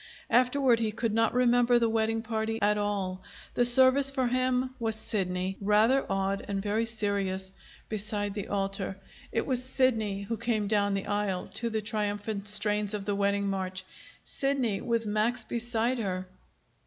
Afterward he could not remember the wedding party at all. The service for him was Sidney, rather awed and very serious, beside the altar. It was Sidney who came down the aisle to the triumphant strains of the wedding march, Sidney with Max beside her!